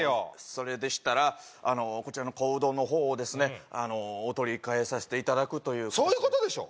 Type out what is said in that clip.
それでしたらこちらの小うどんの方をですねお取りかえさしていただくというそういうことでしょ